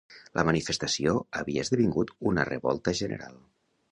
La manifestació havia esdevingut una revolta general.